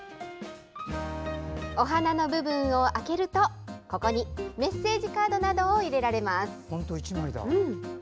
お花の部分を開けるとここにメッセージカードなどを入れられます。